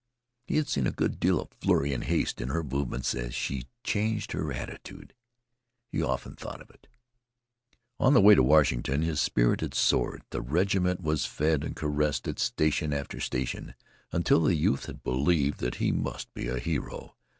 He had seen a good deal of flurry and haste in her movement as she changed her attitude. He often thought of it. On the way to Washington his spirit had soared. The regiment was fed and caressed at station after station until the youth had believed that he must be a hero.